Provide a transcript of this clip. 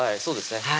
そうですね